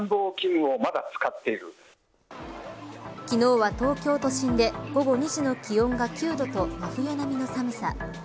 昨日は東京都心で午後２時の気温が９度と真冬並みの寒さ。